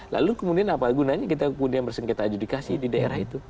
lalu kemudian apa gunanya kita kemudian bersengketa adjudikasi di daerah itu